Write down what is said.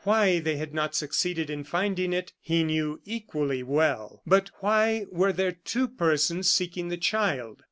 Why they had not succeeded in finding it, he knew equally well. But why were there two persons seeking the child?